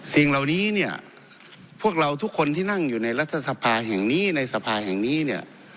สิ่งเหล่านี้เนี่ยพวกเราทุกคนที่นั่งอยู่ในรัฐสภาแห่งนี้ในสภาแห่งนี้เนี่ย